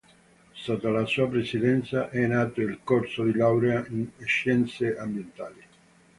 Sotto la sua presidenza, è nato il Corso di Laurea in Scienze Ambientali.